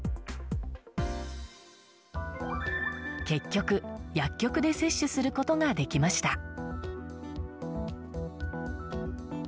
結局、薬局で接種することができました。